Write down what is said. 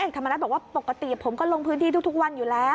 ร้านเอกประวิทย์ธรรมดาบบอกว่าปกติผมก็ลงพื้นที่ทุกวันอยู่แล้ว